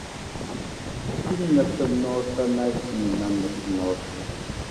Hin noosanoosa na hiwung na noosanoosa.